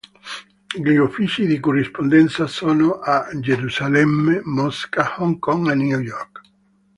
Gli uffici di corrispondenza sono a Gerusalemme, Mosca, Hong Kong e New York.